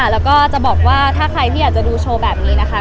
แล้วก็จะบอกว่าถ้าใครที่อยากจะดูโชว์แบบนี้นะคะ